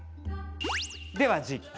では、実験。